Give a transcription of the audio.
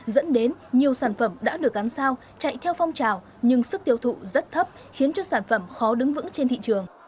dẫn đến nhiều sản phẩm đã được gắn sao chạy theo phong trào nhưng sức tiêu thụ rất thấp khiến cho sản phẩm khó đứng vững trên thị trường